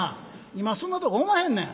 今そんなとこおまへんねん」。